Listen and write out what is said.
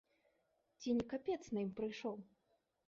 Ці не капец нам прыйшоў?